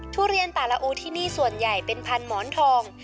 ทุเรียนป่าละอูที่นี่ส่วนใหญ่เป็นพันหมอนทอง